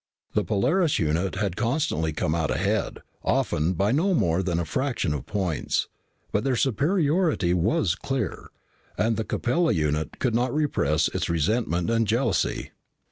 The Polaris unit had constantly come out ahead, often by no more than a fraction of points, but their superiority was clear, and the Capella unit could not repress its resentment and jealousy.